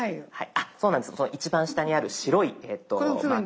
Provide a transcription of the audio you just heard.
そうなんです一番下にある白いマーク。